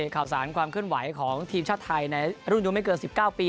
ข่าวสารความเคลื่อนไหวของทีมชาติไทยในรุ่นอายุไม่เกิน๑๙ปี